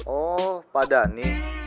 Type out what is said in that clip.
oh pak dhani